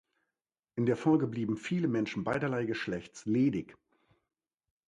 In der Folge blieben viele Menschen beiderlei Geschlechts ledig.